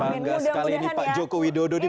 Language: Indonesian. bangga sekali pak joko widodo nih